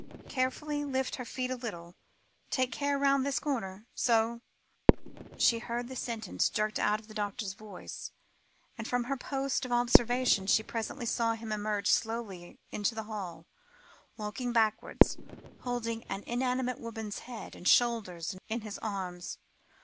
"Carefully lift her feet a little take care round this corner so," she heard the sentence jerked out in the doctor's voice, and from her post of observation, she presently saw him emerge slowly into the hall, walking backwards, and holding an inanimate woman's head and shoulders in his arms.